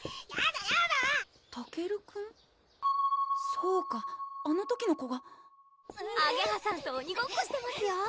そうかあの時の子があげはさんと鬼ごっこしてますよ